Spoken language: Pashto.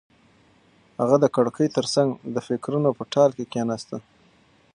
هغه د کړکۍ تر څنګ د فکرونو په ټال کې کېناسته.